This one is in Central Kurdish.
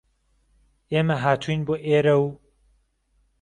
ئێمه هاتووین بۆ ئێره و